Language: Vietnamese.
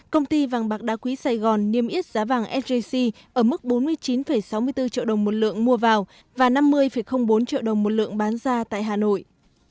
công ty vàng bạc đá quý sài gòn niêm yết giá vàng sjc ở mức bốn mươi chín sáu mươi bốn triệu đồng một lượng mua vào và năm mươi bốn triệu đồng một lượng bán ra tại hà nội